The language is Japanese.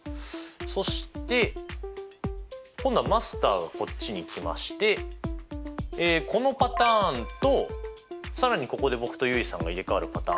そして今度はマスターがこっちに来ましてこのパターンと更にここで僕と結衣さんが入れ代わるパターン